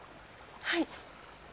はい。